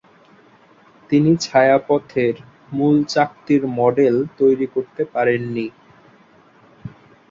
তিনি ছায়াপথের মূল চাকতির মডেল তৈরি করতে পারেননি।